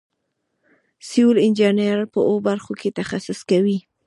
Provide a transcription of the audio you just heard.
سیول انجینران په اوو برخو کې تخصص کوي.